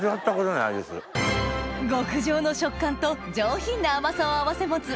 極上の食感と上品な甘さを併せ持つ